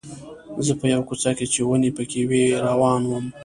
زه په یوه کوڅه کې چې ونې پکې وې روان وم.